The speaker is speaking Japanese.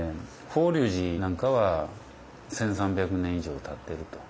法隆寺なんかは１，３００年以上たってると。